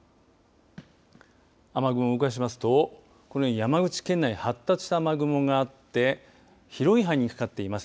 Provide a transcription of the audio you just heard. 雨雲、動かしますとこのように山口県内に発達した雨雲があって広い範囲にかかっています。